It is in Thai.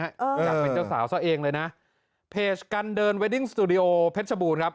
อยากเป็นเจ้าสาวซะเองเลยนะเพจกันเดินเวดดิ้งสตูดิโอเพชรบูรณ์ครับ